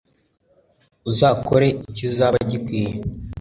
uzakore ikizaba gikwiye